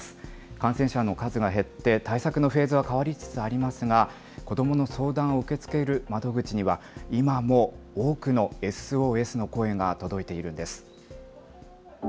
感染者の数が減って、対策のフェーズは変わりつつありますが、子どもの相談を受け付ける窓口には、今も多くのＳＯＳの声が届いているんです。